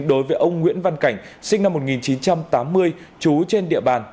đối với ông nguyễn văn cảnh sinh năm một nghìn chín trăm tám mươi chú trên địa bàn